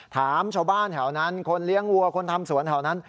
ถามชาวบ้านแถวนั้นคนเลี้ยงวัวคนทำสวนแถวนั้น